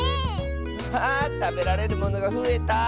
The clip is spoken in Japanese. ハハーたべられるものがふえた。